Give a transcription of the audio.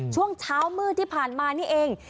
ช่วงเช้ามืดที่ผ่านมานี่เอง